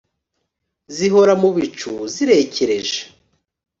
Zihora mu bicu zirekereje